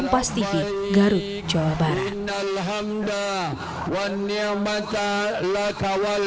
pastifir garut jawa barat